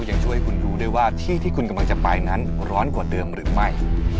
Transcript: ยังช่วยคุณดูด้วยว่าที่ที่คุณกำลังจะไปนั้นร้อนกว่าเดิมหรือไม่